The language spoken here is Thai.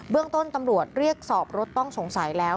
เรื่องต้นตำรวจเรียกสอบรถต้องสงสัยแล้ว